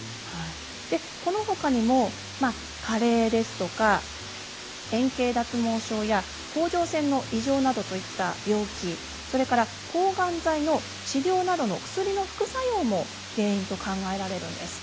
このほかにも加齢ですとか円形脱毛症や、甲状腺の異常といった病気それから抗がん剤の治療などの薬の副作用も原因と考えられるんです。